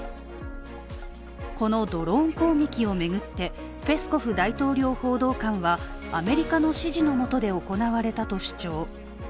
このドローン攻撃を巡って、ペスコフ大統領報道官はアメリカの指示のもとで行われたと主張。